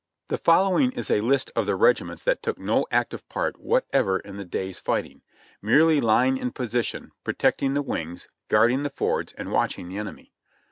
The following is a list of the regiments that took no active part whatever in the day's fighting, merely lying in position, protect ing the wings, guarding the fords and watching the enemy.